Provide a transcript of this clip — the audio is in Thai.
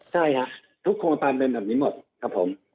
ใช่ครับทุกโครงการเป็นแบบนี้หมดครับผม